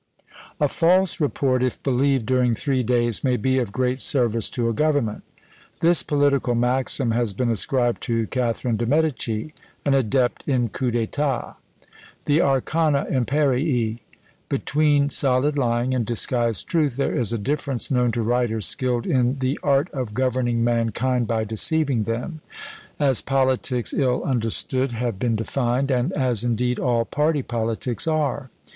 "A false report, if believed during three days, may be of great service to a government." This political maxim has been ascribed to Catharine de' Medici, an adept in coups d'état, the arcana imperii! Between solid lying and disguised truth there is a difference known to writers skilled in "the art of governing mankind by deceiving them;" as politics, ill understood, have been defined, and as, indeed, all party politics are.